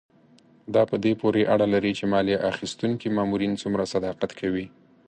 دا په دې پورې اړه لري چې مالیه اخیستونکي مامورین څومره صداقت کوي.